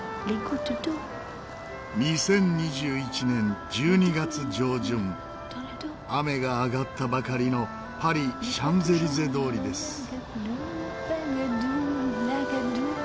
２０２１年１２月上旬雨が上がったばかりのパリシャンゼリゼ通りです。